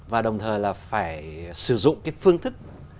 và đồng thời là phải sử dụng cái phương thức